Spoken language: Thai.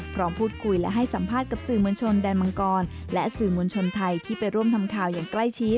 พร้อมพูดคุยและให้สัมภาษณ์กับสื่อมวลชนแดนมังกรและสื่อมวลชนไทยที่ไปร่วมทำข่าวอย่างใกล้ชิด